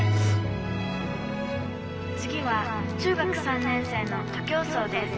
「次は中学３年生の徒競走です。